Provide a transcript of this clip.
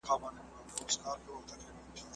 زه اجازه لرم چي سبا ته فکر وکړم؟!